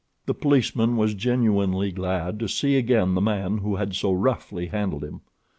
The policeman was genuinely glad to see again the man who had so roughly handled him.